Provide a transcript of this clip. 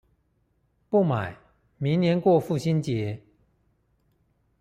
不買，明年過父親節